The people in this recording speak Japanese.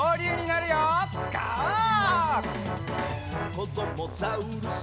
「こどもザウルス